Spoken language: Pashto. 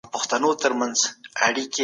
ولي مورنۍ ژبه د زده کړې باور زياتوي؟